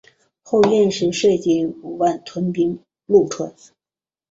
后燕时率军五万屯兵潞川。